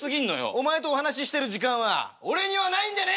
お前とお話ししてる時間は俺にはないんでね！